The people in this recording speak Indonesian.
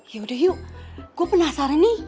yaudah yuk gua penasaran nih